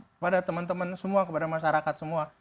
kepada teman teman semua kepada masyarakat semua